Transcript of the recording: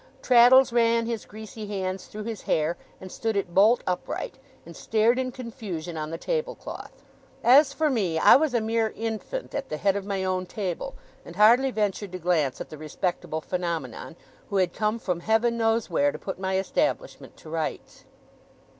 Traddles ran his greasy hands through his hair, and stood it bolt upright, and stared in confusion on the table cloth. As for me, I was a mere infant at the head of my own table; and hardly ventured to glance at the respectable phenomenon, who had come from Heaven knows where, to put my establishment to rights.